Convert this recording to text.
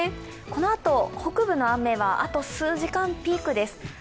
このあと、北部の雨は数時間がピークです。